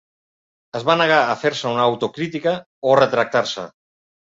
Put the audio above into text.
Es va negar a fer-se una autocrítica o retractar-se.